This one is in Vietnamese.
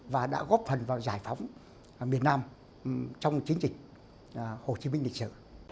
và đã góp phần vào giải phóng miền nam trong chiến dịch hồ chí minh lịch sử